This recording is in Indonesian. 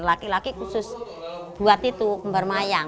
laki laki khusus buat itu kembar mayang